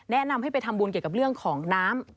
แนะนำให้ไปทำบุญเกี่ยวกับเรื่องของน้ำ